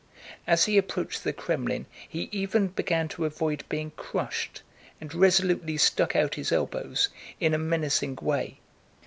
As he approached the Krémlin he even began to avoid being crushed and resolutely stuck out his elbows in a menacing way.